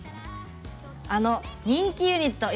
あの人気ユニット